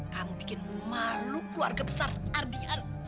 kamu bikin malu keluarga besar ardian